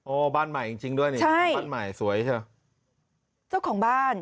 บ้านใหม่จริงจริงด้วยนี่บ้านใหม่สวยใช่ไหมเจ้าของบ้าน